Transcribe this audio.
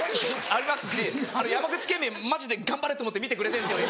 ありますし山口県民マジで頑張れと思って見てくれてるんですよ